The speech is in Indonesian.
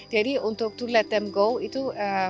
jadi untuk to let them go itu